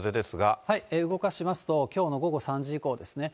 動かしますと、きょうの午後３時以降ですね。